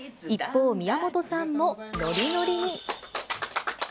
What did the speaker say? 一方、宮本さんものりのりに。